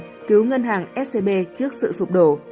mình cứu ngân hàng scb trước sự sụp đổ